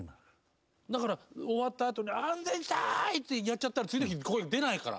だから終わったあとに「安全地帯！」ってやっちゃったら次の日声出ないから。